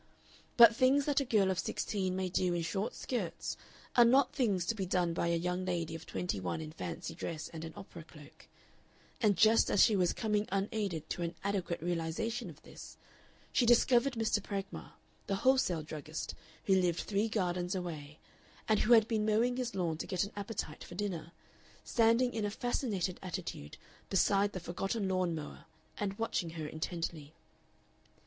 But things that a girl of sixteen may do in short skirts are not things to be done by a young lady of twenty one in fancy dress and an opera cloak, and just as she was coming unaided to an adequate realization of this, she discovered Mr. Pragmar, the wholesale druggist, who lived three gardens away, and who had been mowing his lawn to get an appetite for dinner, standing in a fascinated attitude beside the forgotten lawn mower and watching her intently.